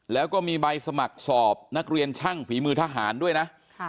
แล้วก็มีใบสมัครสอบนักเรียนช่างฝีมือทหารด้วยนะ